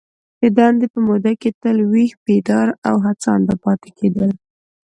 د دندي په موده کي تل ویښ ، بیداره او هڅانده پاته کیدل.